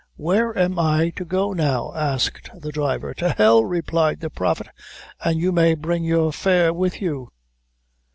"Where am I to go now?" asked the driver. "To hell!" replied the Prophet, "an you may bring your fare with you."